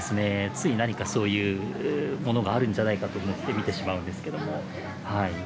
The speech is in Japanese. つい何かそういうものがあるんじゃないかと思って見てしまうんですけども。